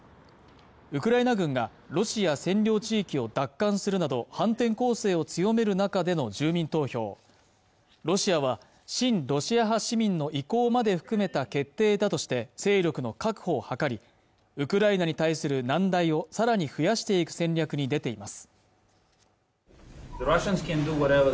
ウクライナ軍がロシア占領地域を奪還するなど反転攻勢を強める中での住民投票ロシアは親ロシア派市民の意向まで含めた決定だとして勢力の確保を図りウクライナに対する難題をさらに増やしていく戦略に出ています